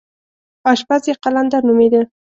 اشپز یې قلندر نومېده.